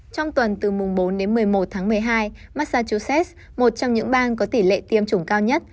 trong tuần từ mùng bốn đến một mươi một tháng một mươi hai massachusetts một trong những bang có tỷ lệ tiêm chủng cao nhất